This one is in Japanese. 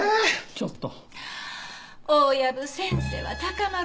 ちょっと！